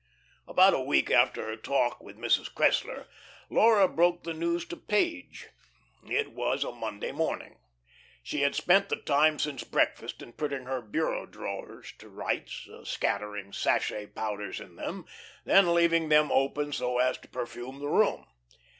About a week after her talk with Mrs. Cressler, Laura broke the news to Page. It was a Monday morning. She had spent the time since breakfast in putting her bureau drawers to rights, scattering sachet powders in them, then leaving them open so as to perfume the room.